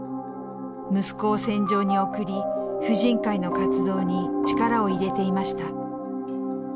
息子を戦場に送り婦人会の活動に力を入れていました。